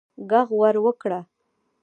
ږغ ور وکړه